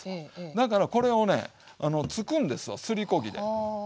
だからこれをねつくんですわすりこ木で。